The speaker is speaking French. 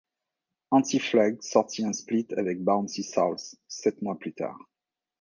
Anti-Flag sortit un split avec Bouncing Souls sept mois plus tard.